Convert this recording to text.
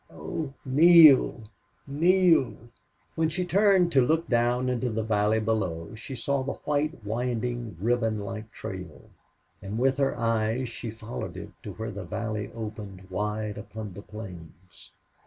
Oh, Neale Neale!" When she turned to look down into the valley below she saw the white winding ribbon like trail, and with her eyes she followed it to where the valley opened wide upon the plains.